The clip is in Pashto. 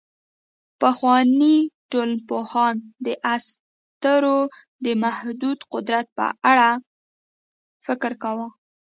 پخواني ټولنپوهان د اسطورو د محدود قدرت په اړه فکر کاوه.